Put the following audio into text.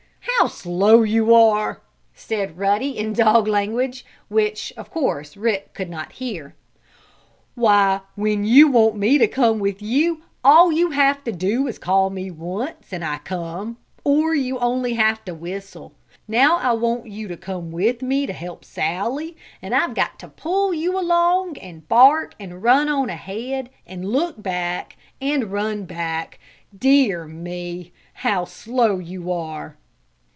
How slow you are!" said Ruddy, in dog language, which, of course, Rick could not hear. "Why when you want me to come with you all you have to do is call me once, and I come. Or you have only to whistle. Now I want you to come with me to help Sallie, and I've got to pull you along and bark and run on ahead and look back and run back dear me! How slow you are!"